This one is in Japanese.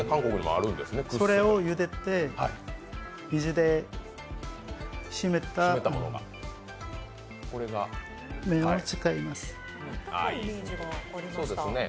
それをゆでて、水で締めた麺を使います。